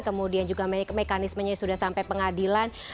kemudian juga mekanismenya sudah sampai pengadilan